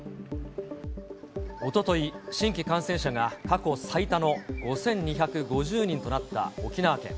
おととい、新規感染者が過去最多の５２５０人となった沖縄県。